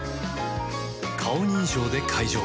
顔認証で解錠